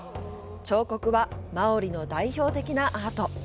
彫刻はマオリの代表的なアート。